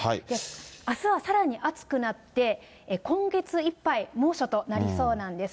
あすはさらに暑くなって、今月いっぱい猛暑となりそうなんです。